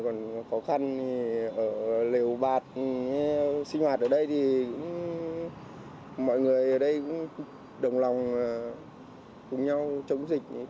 còn khó khăn thì ở lều bạt sinh hoạt ở đây thì mọi người ở đây cũng đồng lòng cùng nhau chống dịch